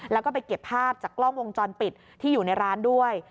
แล้วก็ไปเก็บภาพจากกล้องวงจรปิดที่อยู่ในร้านด้วย